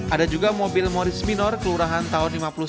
ada juga mobil morris minor keluaran tahun lima puluh satu